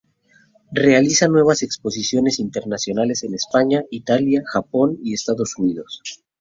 Realiza nuevas exposiciones internacionales en España, Italia, Japón y Estados Unidos.